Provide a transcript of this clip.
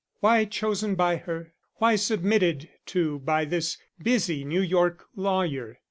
Why chosen by her? Why submitted to by this busy New York lawyer?